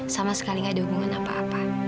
sama sekali gak ada hubungan apa apa